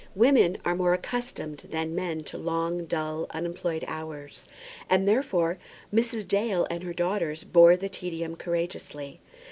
Women are more accustomed than men to long, dull, unemployed hours; and, therefore, Mrs. Dale and her daughters bore the tedium courageously.